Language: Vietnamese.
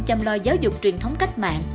chăm lo giáo dục truyền thống cách mạng